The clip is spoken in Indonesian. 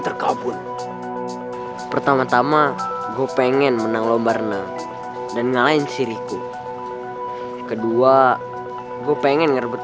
terkabut pertama tama gue pengen menang lombar na dan ngalahin siriku kedua gue pengen ngerebut